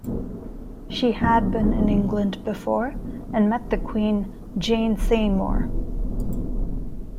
She had been in England before and met the Queen, Jane Seymour.